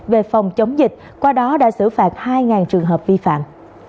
về phòng chống dịch qua đó đã xử phạt hai trường hợp vi phạm